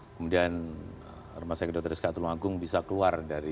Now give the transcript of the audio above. kemudian rumah sakit dr iskak tulungagung bisa keluar dari